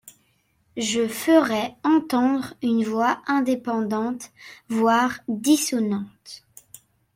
Je ferai entendre une voix indépendante, voire dissonante.